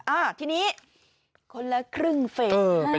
อ่าทีนี้คนละครึ่งเฟส